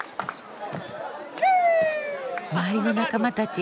周りの仲間たち